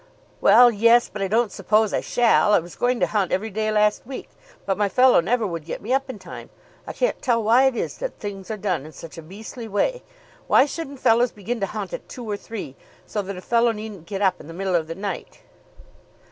"Well, yes; but I don't suppose I shall. I was going to hunt every day last week, but my fellow never would get me up in time. I can't tell why it is that things are done in such a beastly way. Why shouldn't fellows begin to hunt at two or three, so that a fellow needn't get up in the middle of the night?"